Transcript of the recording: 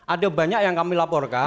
ada banyak yang kami laporkan